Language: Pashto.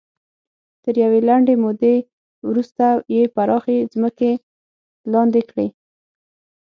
تر یوې لنډې مودې وروسته یې پراخې ځمکې لاندې کړې.